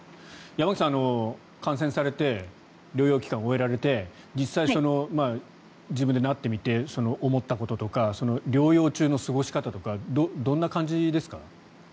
山口さん、感染されて療養期間を終えられて実際、自分でなってみて思ったこととか療養中の過ごし方とかどんな感じですか？